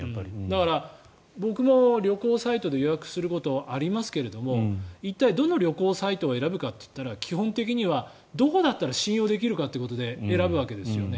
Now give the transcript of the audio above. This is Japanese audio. だから僕も旅行サイトで予約することありますけれども一体どの旅行サイトを選ぶかと言ったら基本的には、どこだったら信用できるかってことで選ぶわけですよね。